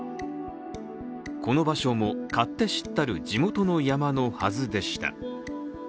この場所もかって知ったる地元の山のはずでした。